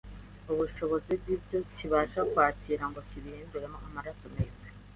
ubushobozi bw’ibyo kibasha kwakira ngo kibihinduremo amaraso meza